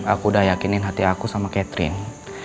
aku udah yakinin hati aku sama catherine